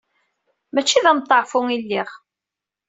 Mačči d ameṭṭaɛfu i lliɣ.